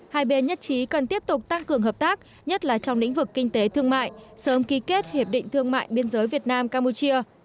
hai bên nhất trí cần tiếp tục tăng cường hợp tác nhất là trong lĩnh vực kinh tế thương mại sớm ký kết hiệp định thương mại biên giới việt nam campuchia